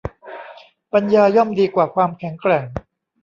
ปัญญาย่อมดีกว่าความแข็งแกร่ง